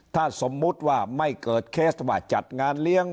ถ้าสมมุติว่าไม่เกิดเคสว่าจัดงานเลี้ยง